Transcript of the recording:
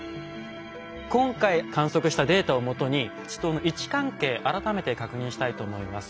今回観測したデータをもとに池溏の位置関係改めて確認したいと思います。